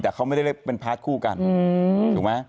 แต่เขาไม่ได้เป็นพาร์ทคู่กันถูกไหม